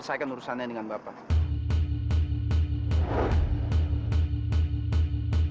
saya akan berurusan dengan bapak